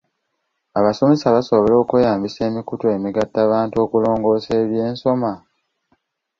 Abasomesa basobola okweyambisa emikutu emigattabantu okulongoosa eby'ensoma?